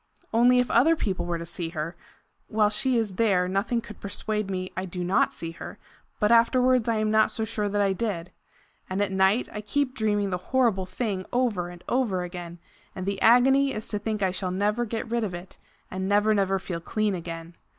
Only if other people were to see her! While she is there nothing could persuade me I do not see her, but afterwards I am not so sure that I did. And at night I keep dreaming the horrible thing over and over again; and the agony is to think I shall never get rid of it, and never never feel clean again.